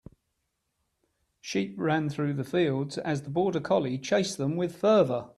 Sheep ran through the fields as the border collie chased them with fervor.